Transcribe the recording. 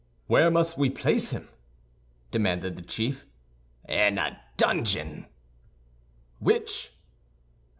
"Where must we place him?" demanded the chief. "In a dungeon." "Which?"